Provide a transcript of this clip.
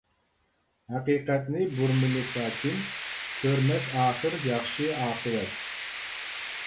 ھەقىقەتنى بۇرمىلىسا كىم، كۆرمەس ئاخىر ياخشى ئاقىۋەت.